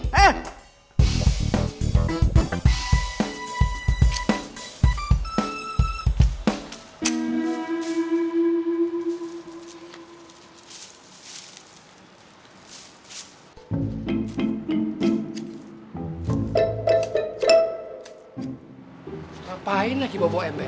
kenapa lo lagi bawa ember